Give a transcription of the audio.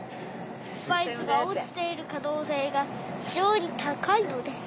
「スパイスが落ちている可能性が非常に高いのです。